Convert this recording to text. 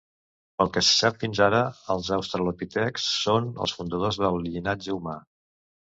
Pel que se sap fins ara, els australopitecs són els fundadors del llinatge humà.